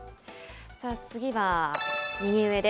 次は右上です。